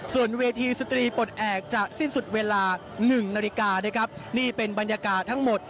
ส่วนเวทีสตรีปลดเอกจะสิ้นศุกร์เวลา๑นาฬิกานี่เป็นบรรยากาศทั้งหมด